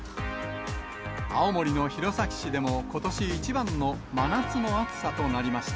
青森の弘前市でも、ことし一番の真夏の暑さとなりました。